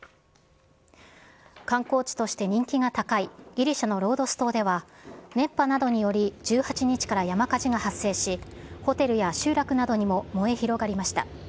観光地として人気が高い、ギリシャのロードス島では、熱波などにより１８日から山火事が発生し、ホテルや集落などにも燃え広がりました。